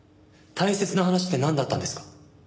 大切な話ってなんだったんですか？